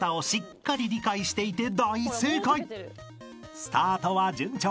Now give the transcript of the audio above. ［スタートは順調。